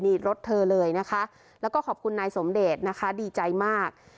นี่รถเธอเลยนะคะแล้วก็ขอบคุณนายสมเดชนะคะดีใจมาก